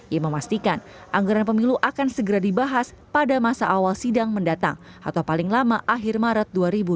ia memastikan anggaran pemilu akan segera dibahas pada masa awal sidang mendatang atau paling lama akhir maret dua ribu dua puluh